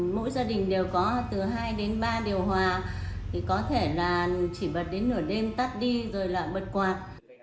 mỗi gia đình đều có từ hai đến ba điều hòa thì có thể là chỉ bật đến nửa đêm tắt đi rồi là bật quạt